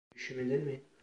Üşümedin mi?